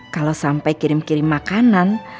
kalau sampai kirim kirim makanan